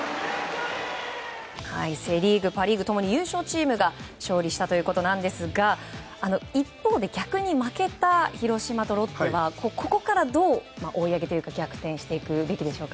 セ・リーグパ・リーグ共に優勝チームが勝利したということですが一方で逆に負けた広島とロッテはここからどう追い上げというか逆転していくべきですか？